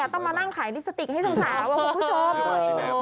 ต้องมานั่งขายลิปสติกให้สาวคุณผู้ชม